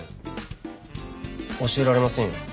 教えられませんよ。